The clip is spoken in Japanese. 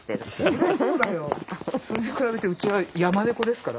それに比べてうちは山猫ですから。